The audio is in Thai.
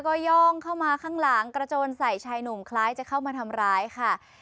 ก็ย่องเข้ามาข้างหลังกระโจนใส่ชายหนุ่มคล้ายจะเข้ามาทำร้ายค่ะ